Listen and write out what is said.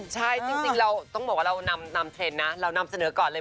ใช่๑๙๓๓ต้องบอกเรานำเสนอก่อนเลย